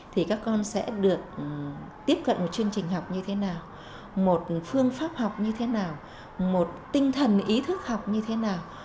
thì các con sẽ được tiếp cận một chương trình học như thế nào một phương pháp học như thế nào một tinh thần ý thức học như thế nào